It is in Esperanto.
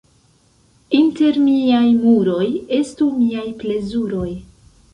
Inter miaj muroj estu miaj plezuroj.